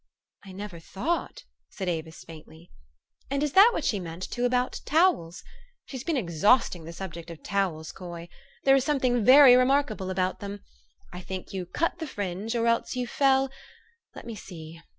"" I never thought, >? said Avis faintly. " And is that what she meant, too, about towels? She's been exhausting the subject of towels, Coy. There is something very remarkable about them. I think you cut the fringe, or else you fell let me see.